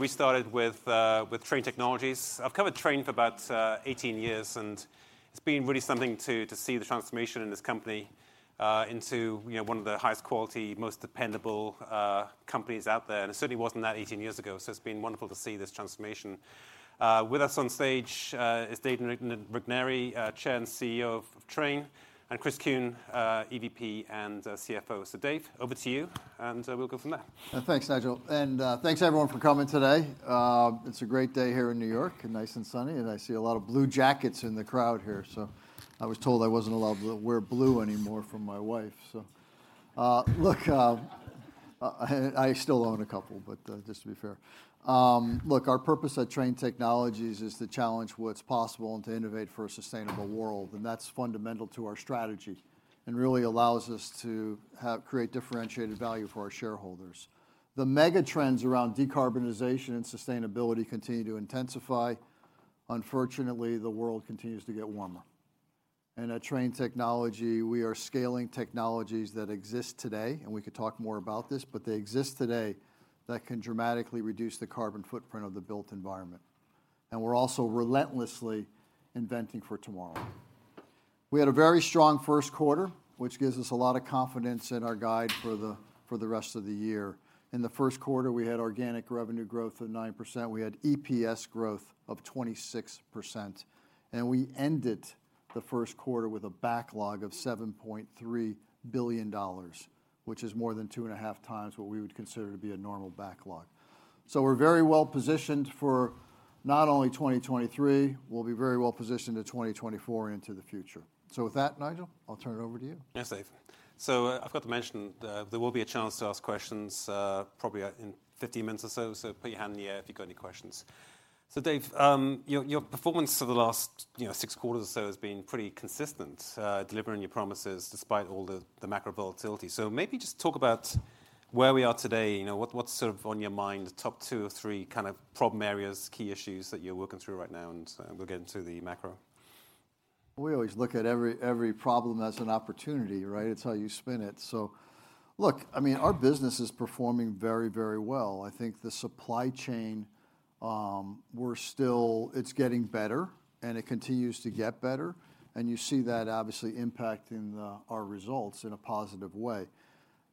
We started with Trane Technologies. I've covered Trane for about 18 years, and it's been really something to see the transformation in this company, into, you know, one of the highest quality, most dependable companies out there, and it certainly wasn't that 18 years ago. It's been wonderful to see this transformation. With us on stage is Dave Regnery, Chair and CEO of Trane, and Chris Kuehn, EVP and CFO. Dave, over to you, and we'll go from there. Thanks Nigel. Thanks everyone for coming today. It's a great day here in New York, nice and sunny, and I see a lot of blue jackets in the crowd here. I was told I wasn't allowed to wear blue anymore from my wife. Look, I still own a couple. Just to be fair. Look, our purpose at Trane Technologies is to challenge what's possible and to innovate for a sustainable world. That's fundamental to our strategy, really allows us to create differentiated value for our shareholders. The mega trends around decarbonization and sustainability continue to intensify. Unfortunately, the world continues to get warmer. At Trane Technologies, we are scaling technologies that exist today, and we could talk more about this, but they exist today, that can dramatically reduce the carbon footprint of the built environment. We're also relentlessly inventing for tomorrow. We had a very strong first quarter, which gives us a lot of confidence in our guide for the rest of the year. In the first quarter, we had organic revenue growth of 9%, we had EPS growth of 26%, and we ended the first quarter with a backlog of $7.3 billion, which is more than 2.5x what we would consider to be a normal backlog. We're very well-positioned for not only 2023, we'll be very well-positioned to 2024 into the future. With that, Nigel, I'll turn it over to you. Yes, Dave. I've got to mention that there will be a chance to ask questions, probably in 15 minutes or so. Put your hand in the air if you've got any questions. Dave, your performance for the last, you know, six quarters or so has been pretty consistent, delivering your promises despite all the macro volatility. Maybe just talk about where we are today, you know, what's sort of on your mind, the top two or three kind of problem areas, key issues that you're working through right now, and, we'll get into the macro. We always look at every problem as an opportunity, right? It's how you spin it. Look, I mean, our business is performing very, very well. I think the supply chain, it's getting better, and it continues to get better, and you see that obviously impacting our results in a positive way.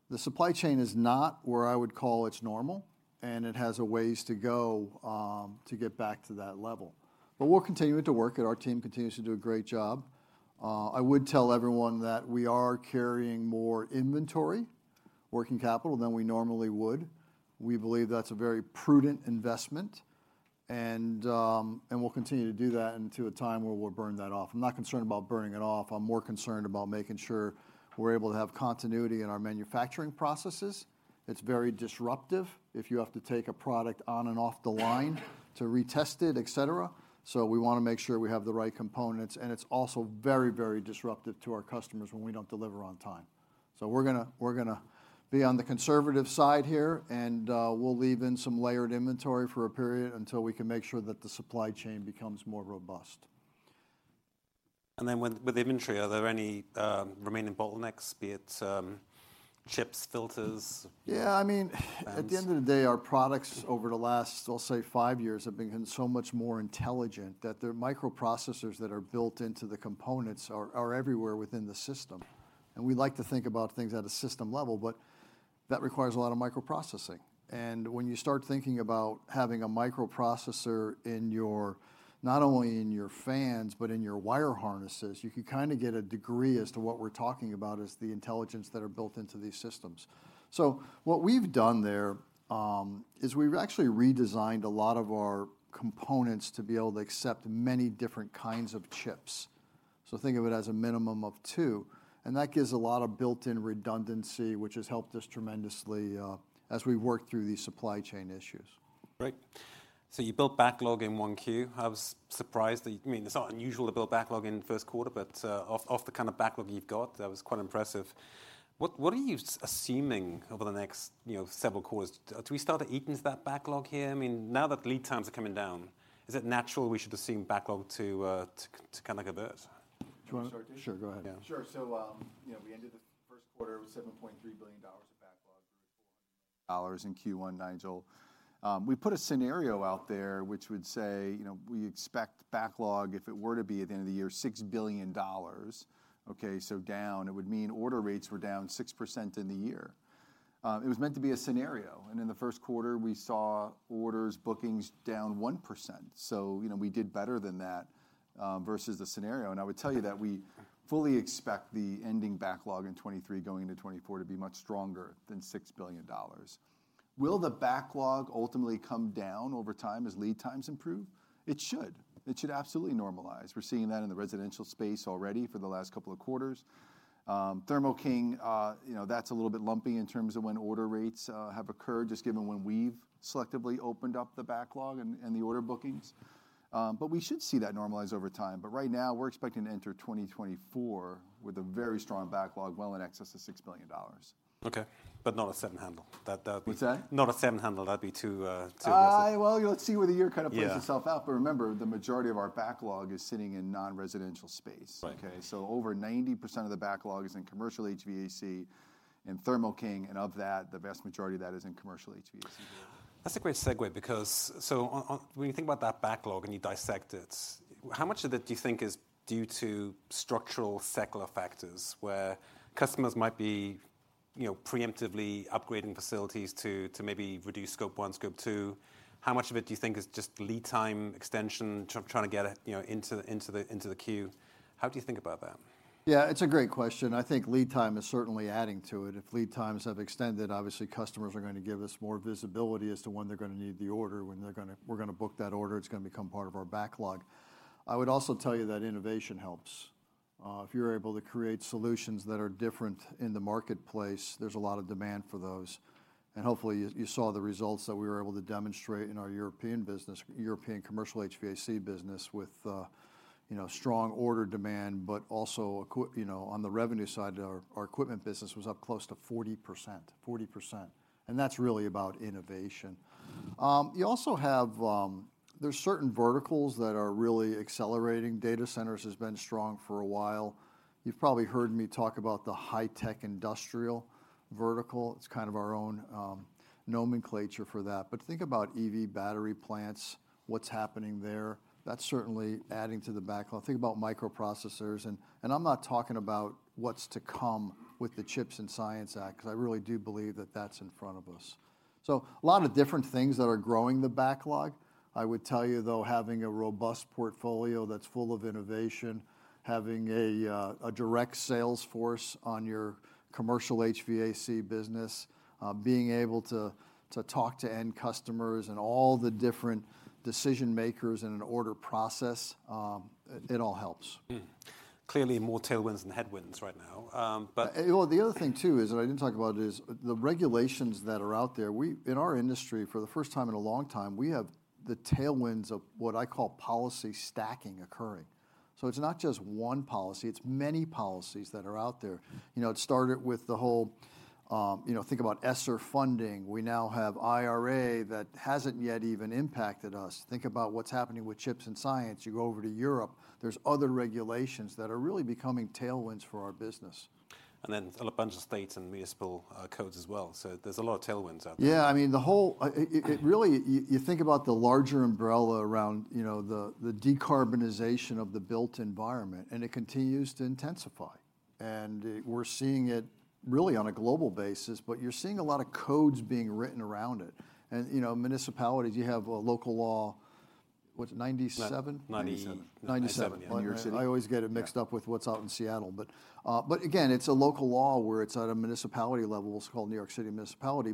The supply chain is not where I would call it's normal, and it has a ways to go to get back to that level. We're continuing to work, and our team continues to do a great job. I would tell everyone that we are carrying more inventory, working capital, than we normally would. We believe that's a very prudent investment, and we'll continue to do that until a time where we'll burn that off. I'm not concerned about burning it off, I'm more concerned about making sure we're able to have continuity in our manufacturing processes. It's very disruptive if you have to take a product on and off the line to retest it, et cetera. We wanna make sure we have the right components, and it's also very disruptive to our customers when we don't deliver on time. We're gonna be on the conservative side here and we'll leave in some layered inventory for a period until we can make sure that the supply chain becomes more robust. When with inventory, are there any remaining bottlenecks, be it chips, filters? Yeah, I mean. Fans at the end of the day, our products over the last, I'll say five years, have become so much more intelligent that their microprocessors that are built into the components are everywhere within the system. We like to think about things at a system level, but that requires a lot of microprocessing. When you start thinking about having a microprocessor in your, not only in your fans, but in your wire harnesses, you can kinda get a degree as to what we're talking about as the intelligence that are built into these systems. What we've done there, is we've actually redesigned a lot of our components to be able to accept many different kinds of chips. Think of it as a minimum of two, and that gives a lot of built-in redundancy, which has helped us tremendously, as we work through these supply chain issues. Great. You built backlog in 1Q. I was surprised that you. I mean, it's not unusual to build backlog in the first quarter, but, off the kind of backlog you've got, that was quite impressive. What are you assuming over the next, you know, several quarters? Do we start to eat into that backlog here? I mean, now that lead times are coming down, is it natural we should assume backlog to kind of revert? Do you want me to start, Dave? Sure. Go ahead. Yeah. Sure. You know, we ended the first quarter with $7.3 billion of backlog, $400 million in Q1, Nigel. We put a scenario out there which would say, you know, we expect backlog, if it were to be at the end of the year, $6 billion. Okay? Down, it would mean order rates were down 6% in the year. It was meant to be a scenario, and in the first quarter, we saw orders, bookings down 1%. You know, we did better than that versus the scenario. I would tell you that we fully expect the ending backlog in 2023 going into 2024 to be much stronger than $6 billion. Will the backlog ultimately come down over time as lead times improve? It should. It should absolutely normalize. We're seeing that in the Residential space already for the last couple of quarters. Thermo King, you know, that's a little bit lumpy in terms of when order rates have occurred, just given when we've selectively opened up the backlog and the order bookings. We should see that normalize over time. Right now, we're expecting to enter 2024 with a very strong backlog well in excess of $6 billion. Okay. Not a seven handle. That would be. What's that? Not a seven handle. That'd be too aggressive. Let's see where the year kind of plays itself out. Yeah. Remember, the majority of our backlog is sitting in non-residential space. Right. Okay? Over 90% of the backlog is in Commercial HVAC and Thermo King, and of that, the vast majority of that is in Commercial HVAC. That's a great segue because, on, when you think about that backlog and you dissect it, how much of it do you think is due to structural secular factors where customers might be, you know, preemptively upgrading facilities to maybe reduce Scope 1, Scope 2? How much of it do you think is just lead time extension, trying to get it, you know, into the queue? How do you think about that? It's a great question. I think lead time is certainly adding to it. If lead times have extended, obviously customers are gonna give us more visibility as to when they're gonna need the order. When we're gonna book that order, it's gonna become part of our backlog. I would also tell you that innovation helps. If you're able to create solutions that are different in the marketplace, there's a lot of demand for those, and hopefully you saw the results that we were able to demonstrate in our European business, European Commercial HVAC business with, you know, strong order demand, but also you know, on the revenue side, our equipment business was up close to 40%. 40%, that's really about innovation. You also have, there's certain verticals that are really accelerating. Data centers has been strong for a while. You've probably heard me talk about the High-Tech Industrial vertical. It's kind of our own nomenclature for that. Think about EV battery plants, what's happening there. That's certainly adding to the backlog. Think about microprocessors and I'm not talking about what's to come with the CHIPS and Science Act, 'cause I really do believe that that's in front of us. A lot of different things that are growing the backlog. I would tell you, though, having a robust portfolio that's full of innovation, having a direct sales force on your Commercial HVAC business, being able to talk to end customers and all the different decision makers in an order process, it all helps. Clearly more tailwinds than headwinds right now. The other thing too is, that I didn't talk about, is the regulations that are out there. In our industry, for the first time in a long time, we have the tailwinds of what I call policy stacking occurring. It's not just one policy, it's many policies that are out there. You know, it started with the whole, you know, think about ESSER funding. We now have IRA that hasn't yet even impacted us. Think about what's happening with CHIPS and Science. Go over to Europe, there's other regulations that are really becoming tailwinds for our business. A bunch of states and municipal codes as well. There's a lot of tailwinds out there. Yeah, I mean, the whole... It really... You think about the larger umbrella around, you know, the decarbonization of the built environment. It continues to intensify. We're seeing it really on a global basis. You're seeing a lot of codes being written around it. You know, municipalities, you have a Local Law, what, 97? 97. 97. Yeah. I always get it mixed up with what's out in Seattle. Again, it's a local law where it's at a municipality level. It's called New York City Municipality.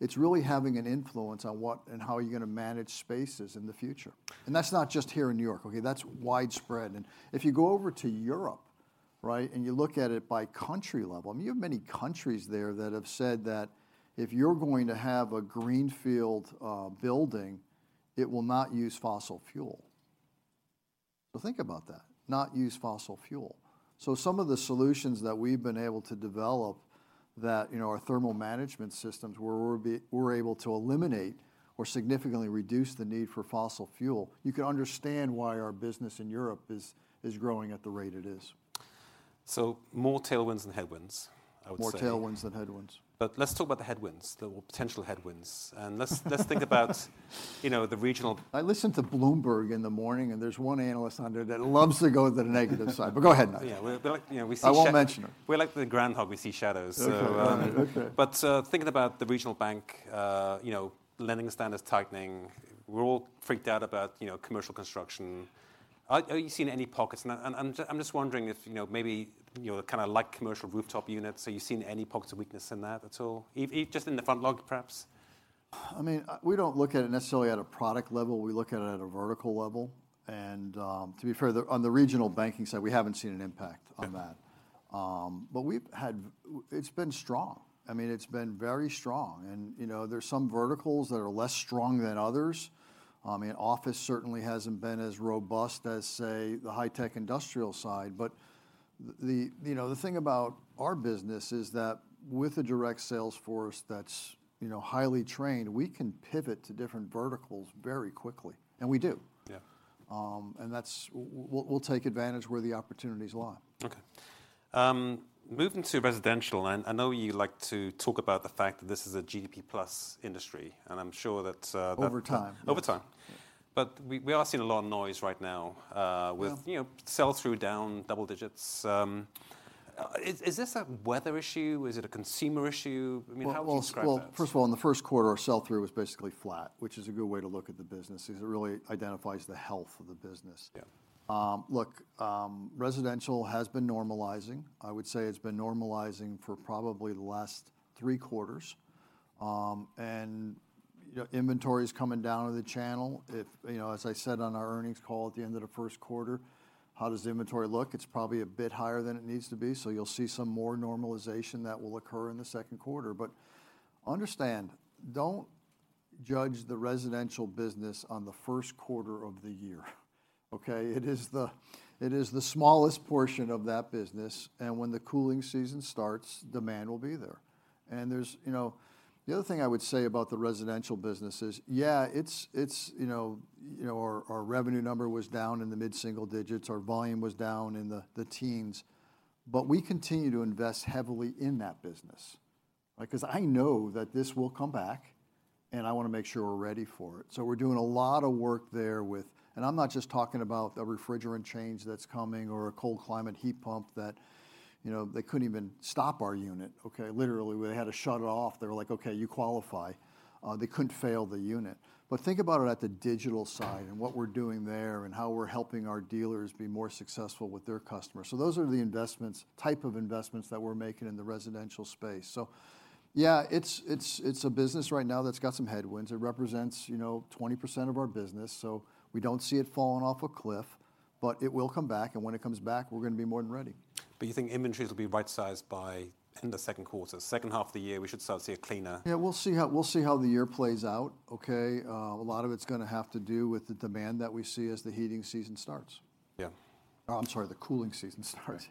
It's really having an influence on what and how you're gonna manage spaces in the future. That's not just here in New York, okay? That's widespread. If you go over to Europe, right, and you look at it by country level, I mean, you have many countries there that have said that if you're going to have a greenfield building, it will not use fossil fuel. Think about that, not use fossil fuel. Some of the solutions that we've been able to develop that, you know, our thermal management systems where we're able to eliminate or significantly reduce the need for fossil fuel, you can understand why our business in Europe is growing at the rate it is. More tailwinds than headwinds, I would say. More tailwinds than headwinds. Let's talk about the headwinds, the potential headwinds. Let's think about, you know. I listen to Bloomberg in the morning. There's one analyst on there that loves to go to the negative side. Go ahead, Nigel. Yeah. We like, you know. I won't mention him. We're like the groundhog, we see shadows. Okay. Thinking about the regional bank, you know, lending standards tightening, we're all freaked out about, you know, commercial construction. Are you seeing any pockets? And I'm just wondering if, you know, maybe, you know, the kinda light commercial rooftop units, are you seeing any pockets of weakness in that at all? Even just in the front log, perhaps? I mean, we don't look at it necessarily at a product level. We look at it at a vertical level. To be fair, the, on the regional banking side, we haven't seen an impact on that. It's been strong. I mean, it's been very strong and, you know, there's some verticals that are less strong than others. I mean, office certainly hasn't been as robust as, say, the High-Tech Industrial side. The, you know, the thing about our business is that with a direct sales force that's, you know, highly trained, we can pivot to different verticals very quickly, and we do. Yeah. That's. We'll take advantage where the opportunities lie. Okay. Moving to Residential, and I know you like to talk about the fact that this is a GDP plus industry, and I'm sure that, Over time. Over time. We are seeing a lot of noise right now. Yeah... with, you know, sell-through down double digits, is this a weather issue? Is it a consumer issue? I mean, how would you describe that? Well, first of all, in the first quarter, our sell-through was basically flat, which is a good way to look at the business because it really identifies the health of the business. Yeah. Residential has been normalizing. I would say it's been normalizing for probably the last three quarters. Inventory's coming down in the channel. If, you know, as I said on our earnings call at the end of the first quarter, how does the inventory look? It's probably a bit higher than it needs to be. You'll see some more normalization that will occur in the second quarter. Understand, don't judge the Residential business on the first quarter of the year, okay? It is the smallest portion of that business. When the cooling season starts, demand will be there. There's, you know. The other thing I would say about the Residential business is, it's, you know, our revenue number was down in the mid-single digits. Our volume was down in the teens. We continue to invest heavily in that business. Like, cause I know that this will come back, and I wanna make sure we're ready for it. We're doing a lot of work there with... I'm not just talking about the refrigerant change that's coming or a Cold Climate Heat Pump that, you know, they couldn't even stop our unit, okay? Literally, we had to shut it off. They're like, "Okay, you qualify." They couldn't fail the unit. Think about it at the digital side and what we're doing there and how we're helping our dealers be more successful with their customers. Those are the investments, type of investments that we're making in the Residential space. Yeah, it's a business right now that's got some headwinds. It represents, you know, 20% of our business, so we don't see it falling off a cliff, but it will come back, and when it comes back, we're gonna be more than ready. You think inventories will be right sized by the second quarter. Second half of the year, we should start to see a cleaner. Yeah, we'll see how, we'll see how the year plays out. Okay, a lot of it's gonna have to do with the demand that we see as the heating season starts. Yeah. I'm sorry, the cooling season starts.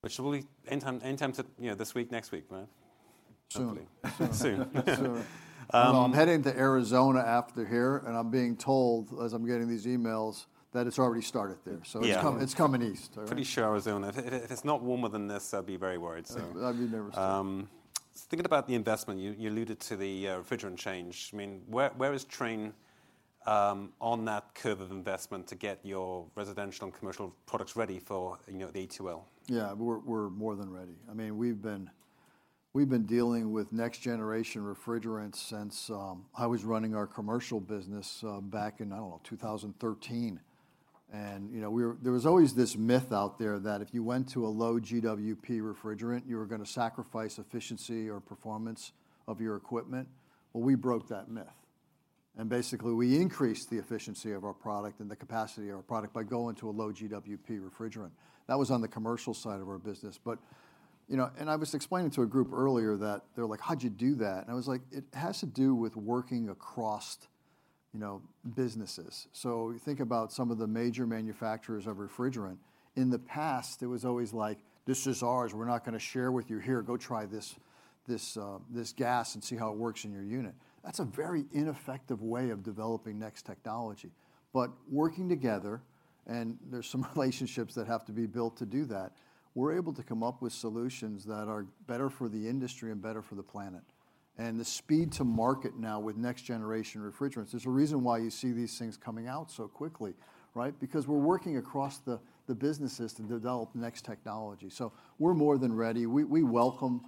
Which will be anytime to, you know, this week, next week, right? Soon. Hopefully. Soon. Soon. Um- Well, I'm heading to Arizona after here, and I'm being told, as I'm getting these emails, that it's already started there. Yeah. It's coming east. All right. Pretty sure Arizona, if it's not warmer than this, I'd be very worried, so. Yeah. I'd be nervous too. Thinking about the investment, you alluded to the refrigerant change. I mean, where is Trane on that curve of investment to get your Residential and commercial products ready for, you know, the A2L? Yeah. We're more than ready. I mean, we've been dealing with next generation refrigerants since I was running our commercial business back in, I don't know, 2013. You know, there was always this myth out there that if you went to a low-GWP refrigerant, you were gonna sacrifice efficiency or performance of your equipment. Well, we broke that myth. Basically, we increased the efficiency of our product and the capacity of our product by going to a low-GWP refrigerant. That was on the commercial side of our business. You know, I was explaining to a group earlier that they're like, "How'd you do that?" I was like, "It has to do with working across, you know, businesses." You think about some of the major manufacturers of refrigerant. In the past, it was always like, "This is ours. We're not gonna share with you. Here, go try this gas and see how it works in your unit." That's a very ineffective way of developing next technology. Working together, and there's some relationships that have to be built to do that, we're able to come up with solutions that are better for the industry and better for the planet. The speed to market now with next generation refrigerants, there's a reason why you see these things coming out so quickly, right? Because we're working across the businesses to develop next technology. We're more than ready. We welcome.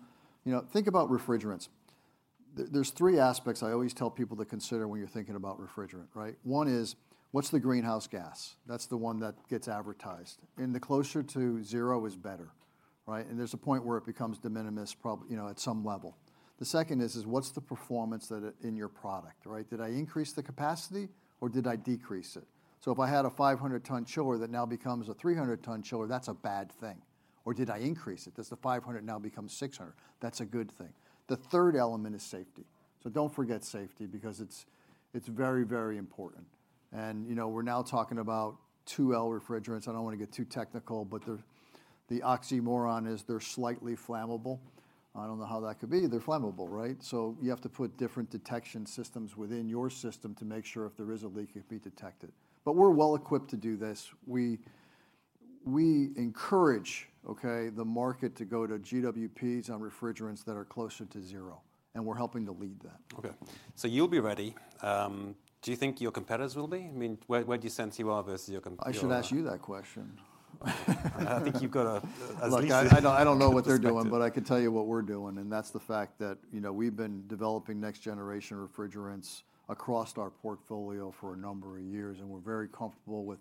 You know, think about refrigerants. There's three aspects I always tell people to consider when you're thinking about refrigerant, right? One is, what's the greenhouse gas? That's the one that gets advertised. The closer to zero is better, right? There's a point where it becomes de minimis prob, you know, at some level. The second is what's the performance that in your product, right? Did I increase the capacity or did I decrease it? If I had a 500-ton chiller that now becomes a 300-ton chiller, that's a bad thing. Did I increase it? Does the 500 now become 600? That's a good thing. The third element is safety. Don't forget safety because it's very, very important. You know, we're now talking about A2L refrigerants. I don't wanna get too technical. The oxymoron is they're slightly flammable. I don't know how that could be. They're flammable, right? You have to put different detection systems within your system to make sure if there is a leak, it can be detected. We're well equipped to do this. We encourage the market to go to GWPs on refrigerants that are closer to zero, and we're helping to lead that. Okay. You'll be ready. Do you think your competitors will be? I mean, where do you sense you are versus your? I should ask you that question. I think you've got a, at least- Look, I don't know what they're doing. perspective I can tell you what we're doing, and that's the fact that, you know, we've been developing next generation refrigerants across our portfolio for a number of years, and we're very comfortable with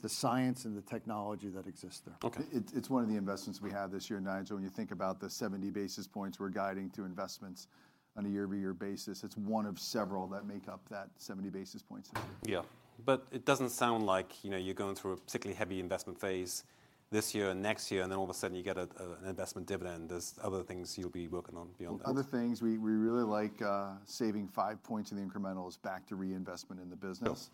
the science and the technology that exists there. Okay. It's one of the investments we have this year, Nigel, when you think about the 70 basis points we're guiding to investments on a year-over-year basis. It's one of several that make up that 70 basis points. Yeah. It doesn't sound like, you know, you're going through a particularly heavy investment phase this year and next year, and then all of a sudden you get an investment dividend. There's other things you'll be working on beyond that. Other things, we really like, saving five points of the incrementals back to reinvestment in the business.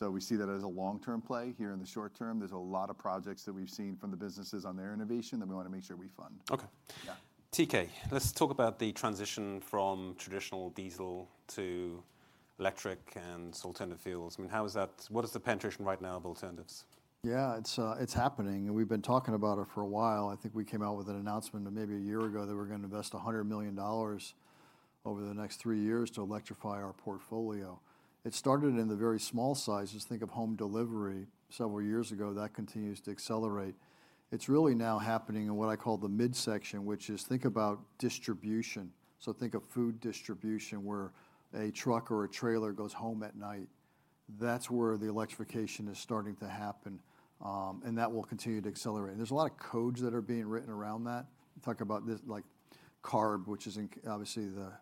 Yeah. We see that as a long-term play. Here in the short term, there's a lot of projects that we've seen from the businesses on their innovation that we wanna make sure we fund. Okay. Yeah. TK, let's talk about the transition from traditional diesel to electric and alternative fuels. I mean, What is the penetration right now of alternatives? Yeah. It's, it's happening, we've been talking about it for a while. I think we came out with an announcement maybe a year ago that we're gonna invest $100 million over the next three years to electrify our portfolio. It started in the very small sizes. Think of home delivery several years ago. That continues to accelerate. It's really now happening in what I call the midsection, which is think about distribution. Think of food distribution, where a truck or a trailer goes home at night. That's where the electrification is starting to happen. That will continue to accelerate. There's a lot of codes that are being written around that. Talk about this, like CARB, which is obviously the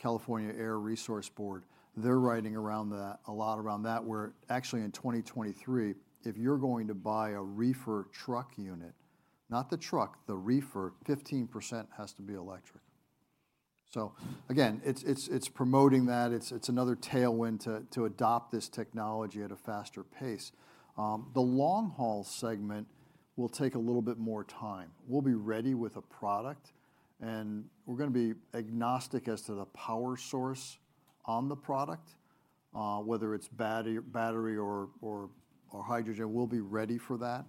California Air Resources Board. They're writing around that, a lot around that, where actually in 2023, if you're going to buy a reefer truck unit, not the truck, the reefer, 15% has to be electric. Again, it's promoting that. It's another tailwind to adopt this technology at a faster pace. The long haul segment will take a little bit more time. We'll be ready with a product, and we're gonna be agnostic as to the power source on the product, whether it's battery or hydrogen, we'll be ready for that.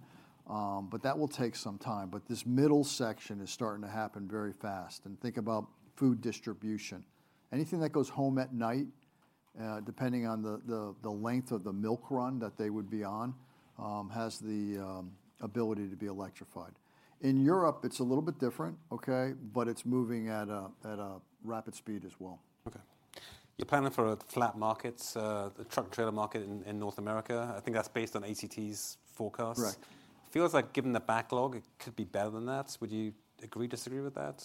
That will take some time. This middle section is starting to happen very fast. Think about food distribution. Anything that goes home at night, depending on the length of the milk run that they would be on, has the ability to be electrified. In Europe, it's a little bit different, okay? It's moving at a rapid speed as well. You're planning for a flat market, the truck trailer market in North America. I think that's based on ACT's forecasts. Correct. Feels like given the backlog, it could be better than that. Would you agree, disagree with that?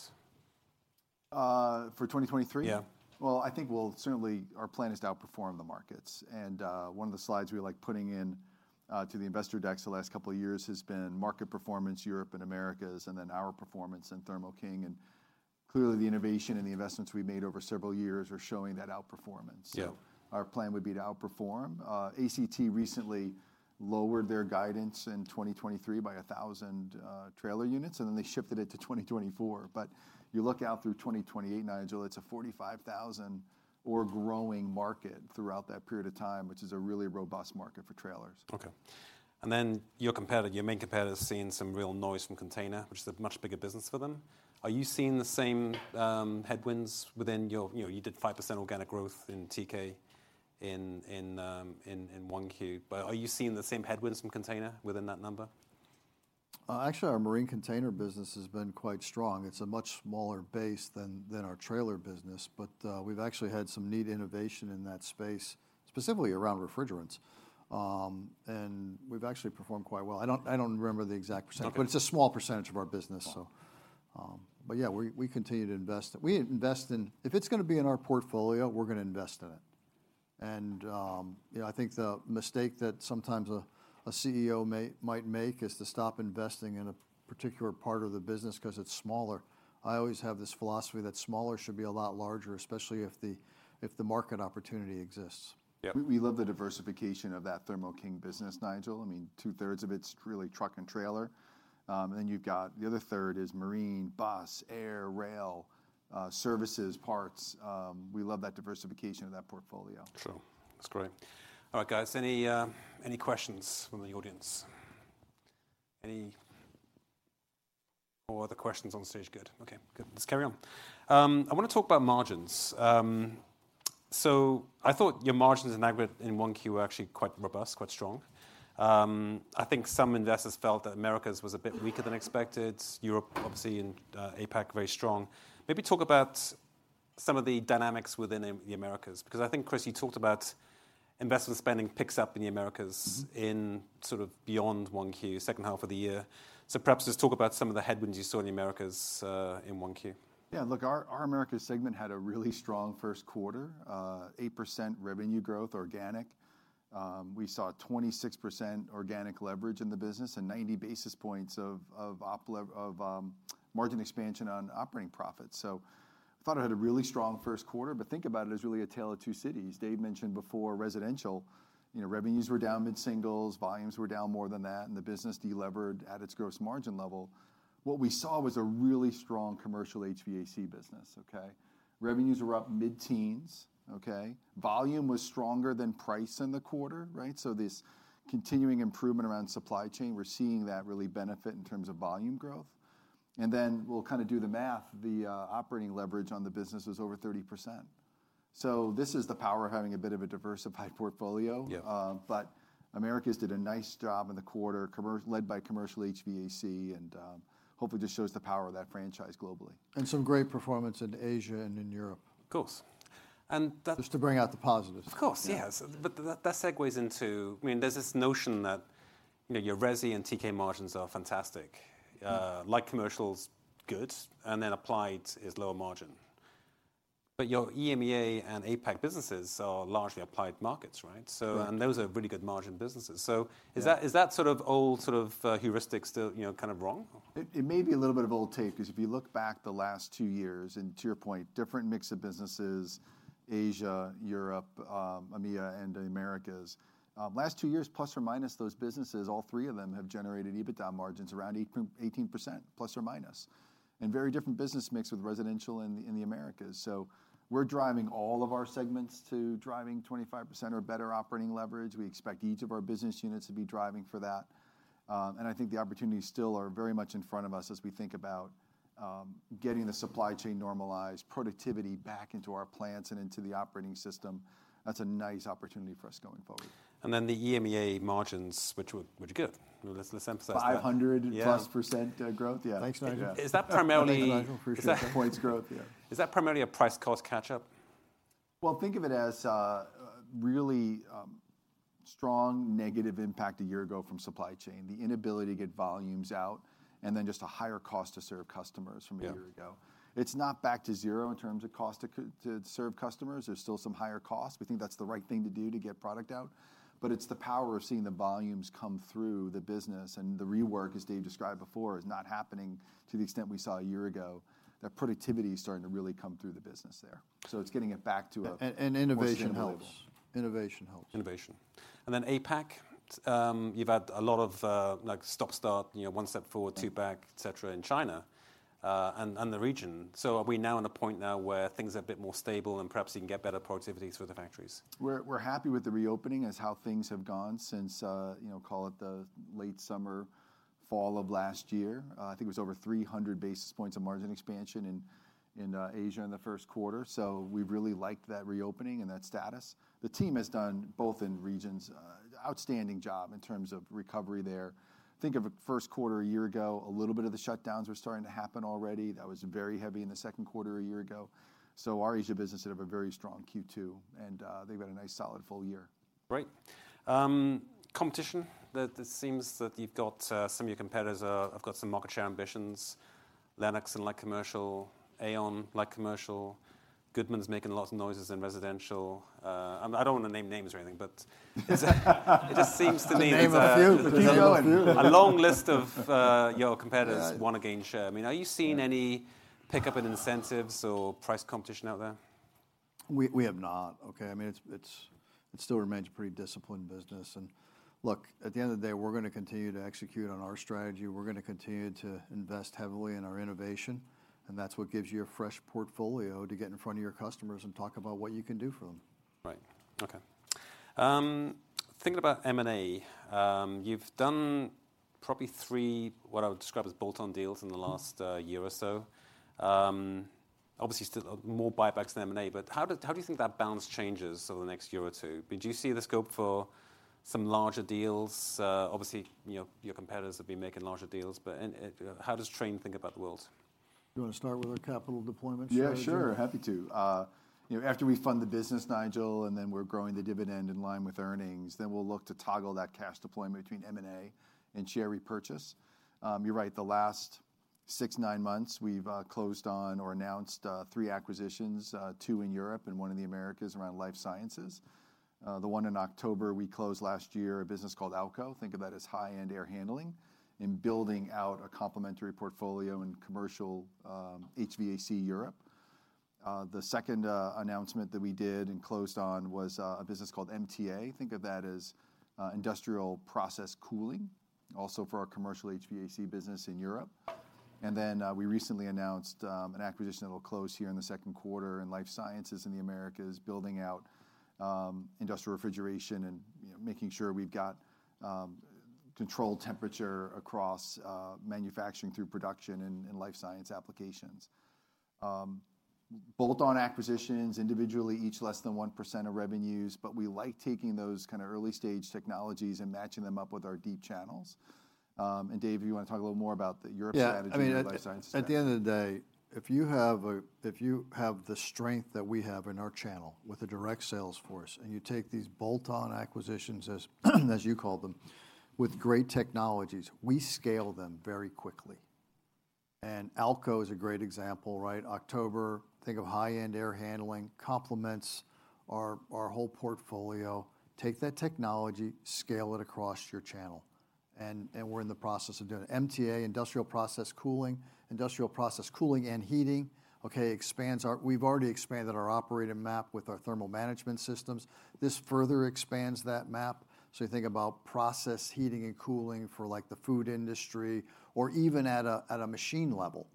For 2023? Yeah. Well, I think we'll certainly... Our plan is to outperform the markets. One of the slides we like putting in to the investor decks the last couple of years has been market performance Europe and Americas, and then our performance in Thermo King. Clearly the innovation and the investments we've made over several years are showing that outperformance. Yeah. Our plan would be to outperform. ACT recently lowered their guidance in 2023 by 1,000 trailer units, and then they shifted it to 2024. You look out through 2028, Nigel, it's a 45,000 or growing market throughout that period of time, which is a really robust market for trailers. Okay. Your competitor, your main competitor is seeing some real noise from container, which is a much bigger business for them. Are you seeing the same headwinds within your... You know, you did 5% organic growth in TK in 1Q. Are you seeing the same headwinds from container within that number? Actually, our Marine Container business has been quite strong. It's a much smaller base than our trailer business. We've actually had some neat innovation in that space, specifically around refrigerants. We've actually performed quite well. I don't remember the exact percentage. Okay It's a small percentage of our business. Okay. Yeah, we continue to invest. We invest in If it's gonna be in our portfolio, we're gonna invest in it. You know, I think the mistake that sometimes a CEO might make is to stop investing in a particular part of the business 'cause it's smaller. I always have this philosophy that smaller should be a lot larger, especially if the market opportunity exists. Yeah. We love the diversification of that Thermo King business, Nigel. I mean, two-thirds of it's really truck and trailer. You've got the other third is marine, bus, air, rail, services, parts. We love that diversification of that portfolio. Sure. That's great. All right, guys, any questions from the audience? All the questions on stage. Good. Okay, good. Let's carry on. I wanna talk about margins. I thought your margins in aggregate in 1Q were actually quite robust, quite strong. I think some investors felt that Americas was a bit weaker than expected. Europe, obviously, and APAC, very strong. Maybe talk about some of the dynamics within the Americas, because I think, Chris, you talked about investment spending picks up in the Americas- Mm-hmm In sort of beyond 1Q, second half of the year. Perhaps just talk about some of the headwinds you saw in the Americas, in 1Q. Look, our Americas segment had a really strong first quarter. 8% revenue growth organic. We saw 26% organic leverage in the business and 90 basis points margin expansion on operating profits. Thought I had a really strong first quarter, but think about it as really a tale of two cities. Dave mentioned before Residential. You know, revenues were down mid-singles, volumes were down more than that, and the business delevered at its gross margin level. What we saw was a really strong Commercial HVAC business, okay? Revenues were up mid-teens, okay? Volume was stronger than price in the quarter, right? This continuing improvement around supply chain, we're seeing that really benefit in terms of volume growth. We'll kind of do the math. The operating leverage on the business was over 30%. This is the power of having a bit of a diversified portfolio. Yeah. Americas did a nice job in the quarter, led by Commercial HVAC and hopefully just shows the power of that franchise globally. Some great performance in Asia and in Europe. Of course. That- Just to bring out the positives. Of course. Yes. That segues into... I mean, there's this notion that, you know, your resi and TK margins are fantastic. Light commercial's good, and then applied is lower margin. Your EMEA and APAC businesses are largely Applied markets, right? Right. Those are really good margin businesses. Yeah. Is that sort of old sort of, heuristic still, you know, kind of wrong? It may be a little bit of old tape, because if you look back the last two years, and to your point, different mix of businesses, Asia, Europe, EMEA, and the Americas. Last two years, plus or minus those businesses, all three of them have generated EBITDA margins around 18%, plus or minus. Very different business mix with Residential in the, in the Americas. We're driving all of our segments to driving 25% or better operating leverage. We expect each of our business units to be driving for that. I think the opportunities still are very much in front of us as we think about getting the supply chain normalized, productivity back into our plants and into the operating system. That's a nice opportunity for us going forward. The EMEA margins, which were good. Let's emphasize that. 500- Yeah... plus %, growth. Yeah. Thanks, Nigel. Is that primarily- Thank you, Nigel. Appreciate the points growth. Yeah. Is that primarily a price-cost catch-up? Think of it as, really, strong negative impact a year ago from supply chain, the inability to get volumes out, and then just a higher cost to serve customers from a year ago. Yeah. It's not back to zero in terms of cost to serve customers. There's still some higher costs. We think that's the right thing to do to get product out. It's the power of seeing the volumes come through the business and the rework, as Dave described before, is not happening to the extent we saw a year ago. That productivity is starting to really come through the business there. It's getting it back to a. Innovation helps.... more sustainable level. Innovation helps. Innovation. Then APAC, you've had a lot of, like stop start, you know, one step forward, two back, et cetera, in China, and the region. Are we now at a point now where things are a bit more stable and perhaps you can get better productivity through the factories? We're happy with the reopening as how things have gone since, you know, call it the late summer, fall of last year. I think it was over 300 basis points of margin expansion in Asia in the first quarter. We really liked that reopening and that status. The team has done, both in regions, outstanding job in terms of recovery there. Think of a first quarter a year ago, a little bit of the shutdowns were starting to happen already. That was very heavy in the second quarter a year ago. Our Asia business had a very strong Q2. They've had a nice solid full year. Great. Competition. It seems that you've got some of your competitors have got some market share ambitions. Lennox in light commercial, AAON light commercial, Goodman making lots of noises in Residential. I don't wanna name names or anything, but it just seems to me that. Named a few. Keep going.... a long list of, your competitors- Right... wanna gain share. I mean, are you seeing any pickup in incentives or price competition out there? We have not, okay? I mean it's still remains a pretty disciplined business. Look, at the end of the day we're gonna continue to execute on our strategy, we're gonna continue to invest heavily in our innovation, and that's what gives you a fresh portfolio to get in front of your customers and talk about what you can do for them. Right. Okay. Thinking about M&A. You've done probably three, what I would describe as bolt-on deals in the last year or so. Obviously still more buybacks than M&A, but how do you think that balance changes over the next year or two? Do you see the scope for some larger deals? Obviously, you know, your competitors have been making larger deals. How does Trane think about the world? You wanna start with our capital deployment strategy? Yeah, sure. Happy to. You know, after we fund the business, Nigel, and then we're growing the dividend in line with earnings, then we'll look to toggle that cash deployment between M&A and share repurchase. You're right, the last six, nine months we've closed on or announced three acquisitions, two in Europe and one in the Americas around Life Sciences. The one in October, we closed last year, a business called AL-KO. Think of that as high-end air handling in building out a complementary portfolio in Commercial HVAC Europe. The second announcement that we did and closed on was a business called MTA. Think of that as industrial process cooling, also for our Commercial HVAC business in Europe. We recently announced an acquisition that'll close here in the second quarter in Life Sciences in the Americas, building out industrial refrigeration and, you know, making sure we've got controlled temperature across manufacturing through production in life science applications. Bolt-on acquisitions, individually each less than 1% of revenues, but we like taking those kinda early stage technologies and matching them up with our deep channels. Dave, you wanna talk a little more about the Europe strategy. Yeah, I mean.... and the Life Sciences strategy? At the end of the day, if you have a, if you have the strength that we have in our channel with a direct sales force, and you take these bolt-on acquisitions as as you call them, with great technologies, we scale them very quickly. AL-KO is a great example, right? October, think of high-end air handling, complements our whole portfolio. Take that technology, scale it across your channel. we're in the process of doing it. MTA, industrial process cooling. Industrial process cooling and heating, okay. We've already expanded our operating map with our thermal management systems. This further expands that map. You think about process heating and cooling for, like, the food industry, or even at a machine level,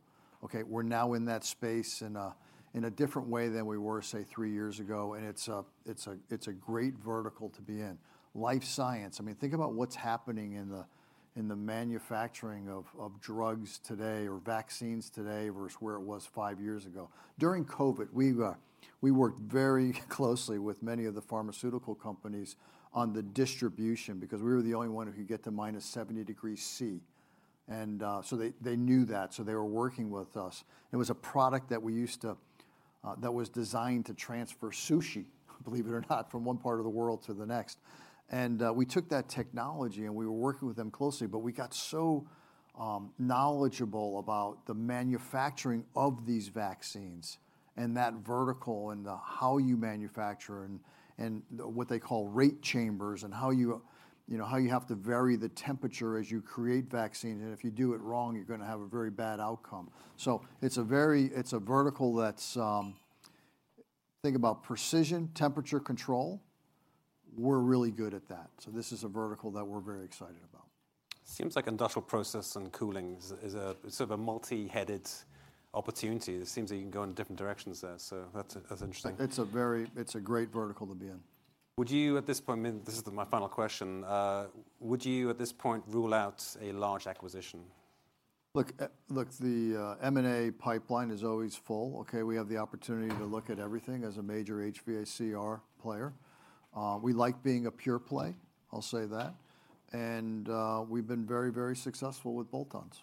okay? We're now in that space in a different way than we were, say, three years ago. It's a great vertical to be in. Life science, I mean, think about what's happening in the manufacturing of drugs today or vaccines today versus where it was five years ago. During COVID, we worked very closely with many of the pharmaceutical companies on the distribution, because we were the only one who could get to -70 degrees Celsius. So they knew that, so they were working with us. It was a product that we used to that was designed to transfer sushi, believe it or not, from one part of the world to the next. We took that technology and we were working with them closely. We got so knowledgeable about the manufacturing of these vaccines and that vertical and the how you manufacture and what they call rate chambers and how you know, how you have to vary the temperature as you create vaccines. If you do it wrong, you're gonna have a very bad outcome. It's a vertical that's, think about precision temperature control, we're really good at that. This is a vertical that we're very excited about. Seems like industrial process and cooling is a sort of a multi-headed opportunity. It seems that you can go in different directions there, so that's interesting. It's a very, it's a great vertical to be in. My final question. Would you at this point rule out a large acquisition? Look, the M&A pipeline is always full, okay? We have the opportunity to look at everything as a major HVACR player. We like being a pure play, I'll say that. We've been very successful with bolt-ons.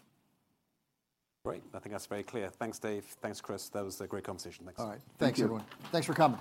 Great. I think that's very clear. Thanks, Dave. Thanks, Chris. That was a great conversation. Thanks. All right. Thanks, everyone. Thank you. Thanks for coming.